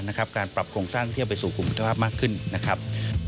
การปรับโครงสร้างเที่ยวไปสู่กลุ่มคุณภาพมากขึ้นนะครับ